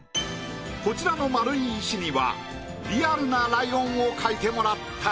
こちらの丸い石にはリアルなライオンを描いてもらった。